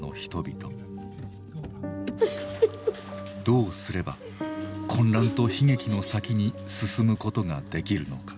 どうすれば混乱と悲劇の先に進むことができるのか。